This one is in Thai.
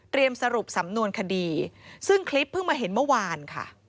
สรุปสำนวนคดีซึ่งคลิปเพิ่งมาเห็นเมื่อวานค่ะ